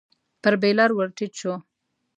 پر بېلر ور ټيټ شو.